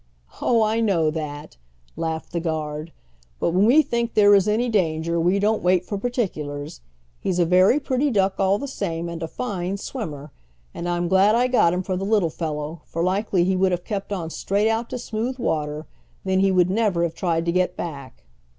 "Oh, I know that," laughed the guard. "But when we think there is any danger we don't wait for particulars. He's a very pretty duck all the same, and a fine swimmer, and I'm glad I got him for the little fellow, for likely he would have kept on straight out to smooth water. Then he would never have tried to get back."